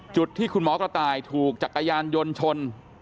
ที่คุณหมอกระต่ายถูกจักรยานยนต์ชน